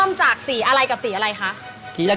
จากสีอะไรกับสีอะไรคะ